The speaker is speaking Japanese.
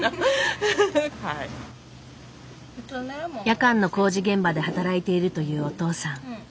夜間の工事現場で働いているというお父さん。